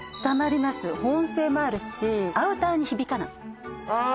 保温性もあるしアウターにひびかないああ